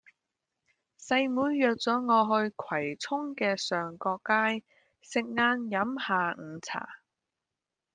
細妹約左我去葵涌嘅上角街食晏飲下午茶